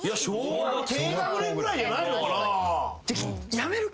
低学年ぐらいじゃないのかな？